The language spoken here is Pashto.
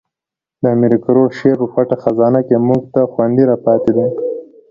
د امیر کروړ شعر په پټه خزانه کښي موږ ته خوندي را پاته دئ.